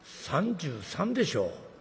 ３３でしょ？」。